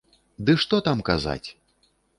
Ды што там казаць!